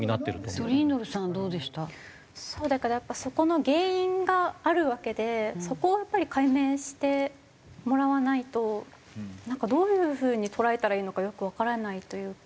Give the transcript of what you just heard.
そうだからやっぱりそこの原因があるわけでそこをやっぱり解明してもらわないとどういう風に捉えたらいいのかよくわからないというか。